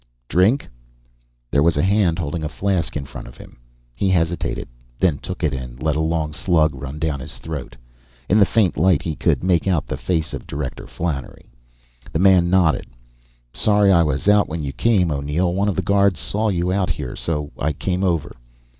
"Drink?" There was a hand holding a flask in front of him. He hesitated, then took it, and let a long slug run down his throat. In the faint light he could make out the face of Director Flannery. The man nodded. "Sorry I was out when you came, O'Neill. One of the guards saw you out here, so I came over."